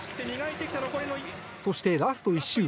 そして、ラスト１周。